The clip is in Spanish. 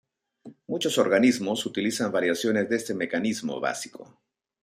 Muchos organismos utilizan variaciones de este mecanismo básico.